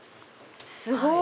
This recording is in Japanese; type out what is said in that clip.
すごい！